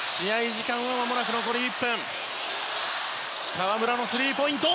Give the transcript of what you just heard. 河村、スリーポイント！